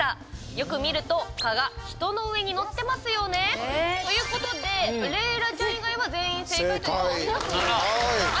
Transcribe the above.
よく見ると蚊が人の上に乗ってますよね。ということでレイラちゃん以外は全員正解という。